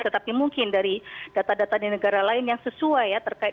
tetapi mungkin dari data data di negara lain yang sesuai ya